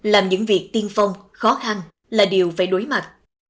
làm những việc tiên phong khó khăn là điều phải đối mặt